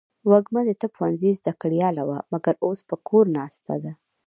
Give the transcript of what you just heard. وږمه د طب پوهنځۍ زده کړیاله وه ، مګر اوس په کور ناسته ده.